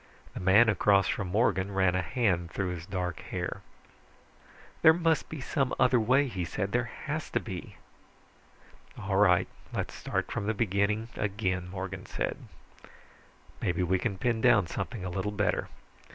The man across from Morgan ran a hand through his dark hair. "There must be some other way," he said. "There has to be." "All right, let's start from the beginning again," Morgan said. "Maybe we can pin something down a little better.